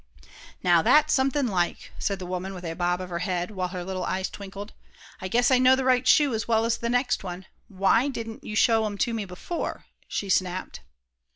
"Now that's somethin' like," said the woman, with a bob of her head, while her little eyes twinkled. "I guess I know the right shoe, as well as the next one. Why didn't you show 'em to me before?" she snapped.